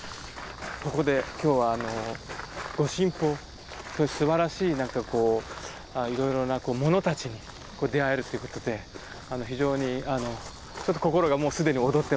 ここで今日は御神宝すばらしい何かこういろいろなものたちに出会えるということで非常に心がもう既に躍ってます。